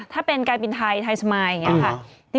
ถ้าเป็นการบินไทยไทยสมายอย่างนี้ค่ะ